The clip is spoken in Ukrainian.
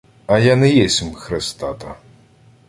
— А я не есмь хрестата.